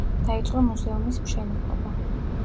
დაიწყო მუზეუმის მშენებლობა.